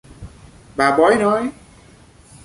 Bà bói nói